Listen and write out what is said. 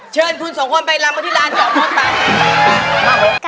เชิญคุณสองคนไปรำมะทิราณก่อน